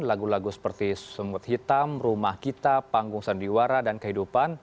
lagu lagu seperti semut hitam rumah kita panggung sandiwara dan kehidupan